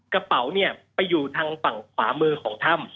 กระเป๋าเนี่ยไปอยู่ทางฝั่งขวามือของถ้ำ